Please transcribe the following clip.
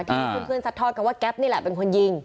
ที่เพื่อนซัดทอดกันว่าแก๊ปนี่แหละเป็นคนยิง